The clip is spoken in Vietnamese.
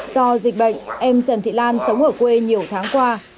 do dịch bệnh em trần thị lan sống ở quê nhiều tháng qua